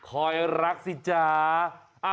คอยรักสิจ๊ะ